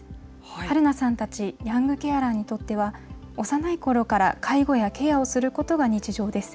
はるなさんたちヤングケアラーにとっては、幼いころから介護やケアをすることが日常です。